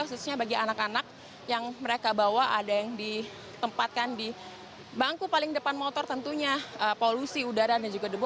khususnya bagi anak anak yang mereka bawa ada yang ditempatkan di bangku paling depan motor tentunya polusi udara dan juga debu